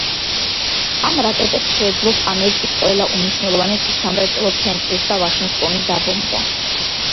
ამ რაკეტებს შეეძლოთ ამერიკის ყველა უმნიშვნელოვანესი სამრეწველო ცენტრის და ვაშინგტონის დაბომბვა.